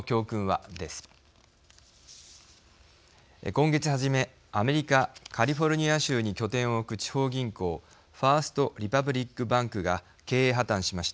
今月初めアメリカカリフォルニア州に拠点を置く地方銀行ファースト・リパブリック・バンクが経営破綻しました。